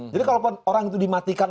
jadi kalau orang itu dimatikan